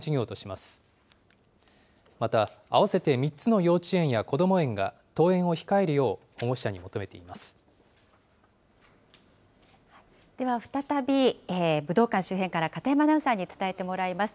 また、合わせて３つの幼稚園やこども園が登園を控えるよう、保護では再び、武道館周辺から、片山アナウンサーに伝えてもらいます。